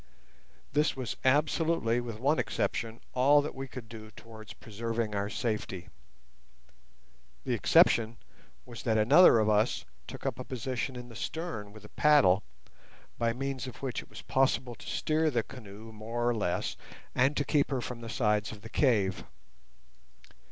This was absolutely, with one exception, all that we could do towards preserving our safety. The exception was that another of us took up a position in the stern with a paddle by means of which it was possible to steer the canoe more or less and to keep her from the sides of the cave.